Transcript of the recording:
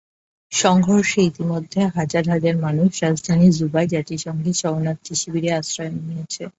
সংঘর্ষে ইতিমধ্যে হাজার হাজার মানুষ রাজধানী জুবায় জাতিসংঘের শরণার্থী শিবিরে আশ্রয় নিয়েছে।